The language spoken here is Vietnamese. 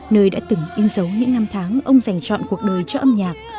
nơi đã từng yên giấu những năm tháng ông dành chọn cuộc đời cho âm nhạc